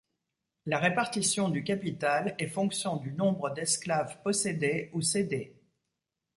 La répartition du capital est fonction du nombre d'esclaves possédés ou cédés.